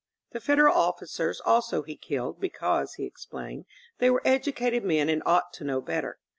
The Federal of ficers also he killed, because, he explained, they were educated men and ought to know better.